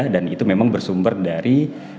itu memang bersumber dari